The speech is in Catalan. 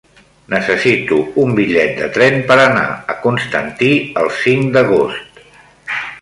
Necessito un bitllet de tren per anar a Constantí el cinc d'agost.